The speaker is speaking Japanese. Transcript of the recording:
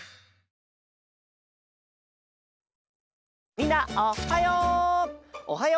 みんなおっはよ！